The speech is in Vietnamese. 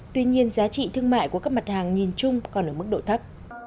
tuy nhiên giá trị thương mại của các mặt hàng nhìn chung còn ở mức độ thấp